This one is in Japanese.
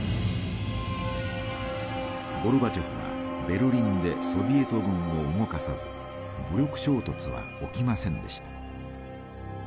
ゴルバチョフはベルリンでソビエト軍を動かさず武力衝突は起きませんでした。